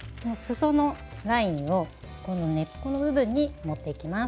そのラインを根っこの部分に持ってきます。